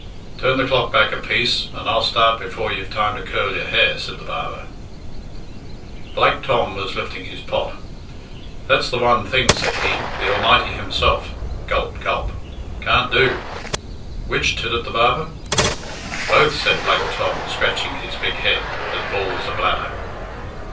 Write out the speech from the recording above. "Turn the clock back a piece and I'll start before you've time to curl your hair," said the barber. Black Tom was lifting his pot. "That's the one thing," said he, "the Almighty Himself" (gulp, gulp) "can't do." "Which?" tittered the barber. "Both," said Black Tom, scratching his big head, as bald as a bladder.